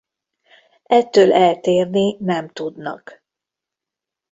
Ettől eltérni nem tudnak.